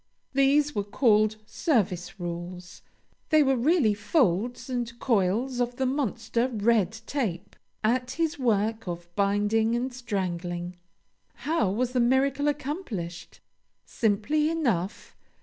These were called "service rules"; they were really folds and coils of the monster Red Tape, at his work of binding and strangling. How was the miracle accomplished? Simply enough.